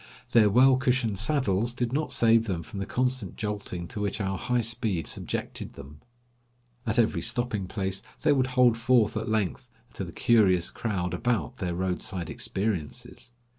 Their well cushioned saddles did not save them from the constant jolting to which our high speed subjected them. At every stopping place they would hold forth at length to the curious crowd about their roadside experiences.